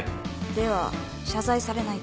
では謝罪されないと？